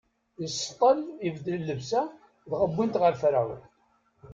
Iseṭṭel, ibeddel llebsa, dɣa wwin-t ɣer Ferɛun.